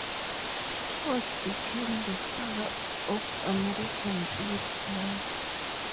Ford became the father of American plate glass.